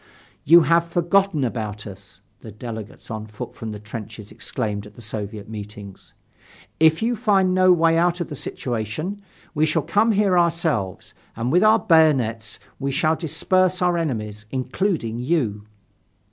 "You have forgotten about us," the delegates on foot from the trenches exclaimed at the Soviet meetings. "If you find no way out of the situation, we shall come here ourselves, and with our bayonets we shall disperse our enemies, including you."